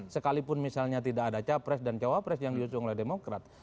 sekalipun misalnya tidak ada capres dan cawapres yang diusung oleh demokrat